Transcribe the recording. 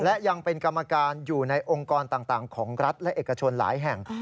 และยังเป็นกรรมการอยู่ในองค์กรต่างของรัฐและเอกชนหลายแห่ง